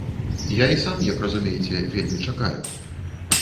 Я і сам, як разумееце, вельмі чакаю.